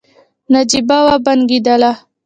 نجيبه وبنګېدله.